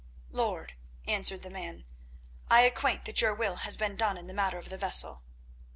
"Lord," answered the man, "I acquaint you that your will has been done in the matter of the vessel."